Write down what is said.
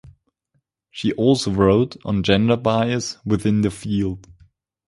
She also wrote on gender bias within the field.